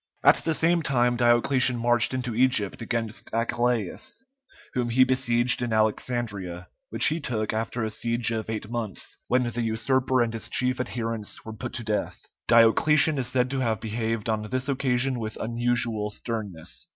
At the same time Diocletian marched into Egypt against Achillæus, whom he besieged in Alexandria, which he took after a siege of eight months, when the usurper and his chief adherents were put to death. Diocletian is said to have behaved on this occasion with unusual sternness.